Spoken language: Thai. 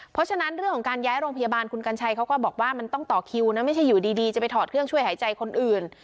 เพราะฉะนั้นเรื่องของการย้ายโรงพยาบาลคุณกัญชัยเขาก็บอกว่ามันต้องต่อคิวนะไม่ใช่อยู่ดีจะไปถอดเครื่องช่วยหายใจคนอื่น